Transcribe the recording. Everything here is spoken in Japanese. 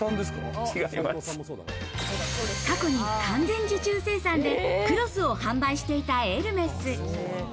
過去に完全受注生産で、クロスを販売していたエルメス。